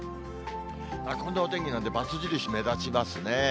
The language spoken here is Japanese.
こんなお天気なんで、バツ印、目立ちますね。